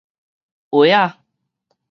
鞋仔